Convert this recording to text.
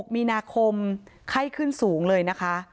๖มีนาคมไข้ขึ้นสูงเลยนะคะ